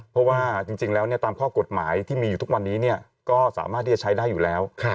เพราะว่าจริงแล้วตามข้อกฎหมายที่มีอยู่ทุกวันนี้ก็สามารถที่จะใช้ได้อยู่แล้ว